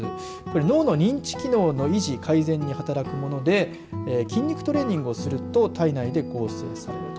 脳の認知機能の維持改善に働くもので筋肉トレーニングをすると体内で合成される。